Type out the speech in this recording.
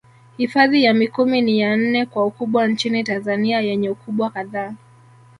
Hifadhi ya Mikumi ni ya nne kwa ukubwa nchini Tanzania yenye ukubwa kadhaa